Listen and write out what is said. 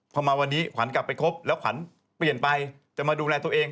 พอมาวันนี้ขวัญกลับไปคบแล้วขวัญเปลี่ยนไปจะมาดูแลตัวเอง